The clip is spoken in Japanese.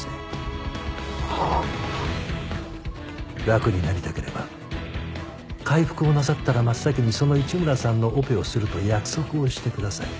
楽になりたければ回復をなさったら真っ先にその一村さんのオペをすると約束をしてください。